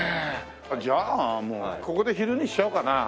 じゃあもうここで昼にしちゃおうかな。